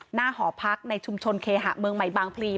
หอพักในชุมชนเคหะเมืองใหม่บางพลี